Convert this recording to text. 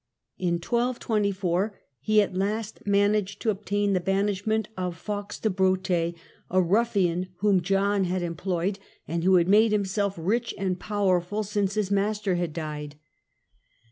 In 1224 he at last managed to obtain the banishment of Falkes de Breaut^, a ruffian whom John had employed, and who had made himself rich and powerful since his master had died.